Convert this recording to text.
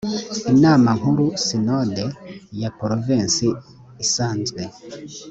inama nkuru sinode ya provensi isanzwe